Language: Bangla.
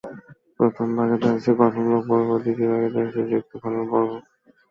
প্রথম ভাগে থাকছে গঠনমূলক পর্ব এবং দ্বিতীয় ভাগে থাকছে যুক্তি খণ্ডন পর্ব।